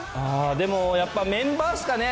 でも、やっぱメンバーっすかね。